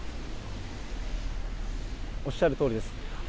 おっしゃるとおりです。